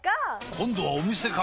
今度はお店か！